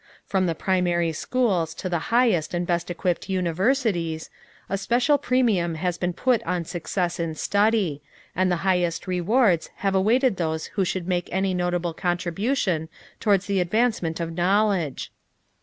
From the primary schools to the highest and best equipped universities, a special premium has been put on success in study, and the highest rewards have awaited those who should make any notable contribution towards the advancement of knowledge.